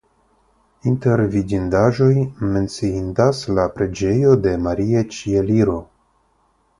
Inter vidindaĵoj menciindas la preĝejo de Maria Ĉieliro.